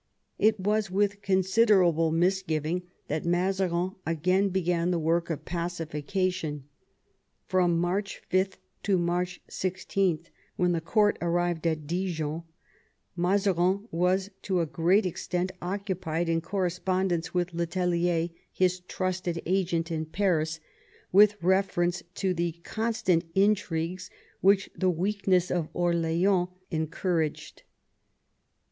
It was with considerable misgiving that Mazarin again began the work of pacification. From March 5 to March 16, when the court arrived at Dijon, Mazarin was to a great extent occupied in correspondence with le Tellier, his trusted agent in Paris, with reference to the constant intrigues which the weakness of Orleans encouraged.